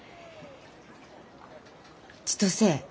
千歳